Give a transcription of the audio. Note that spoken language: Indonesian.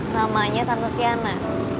namanya tante tiana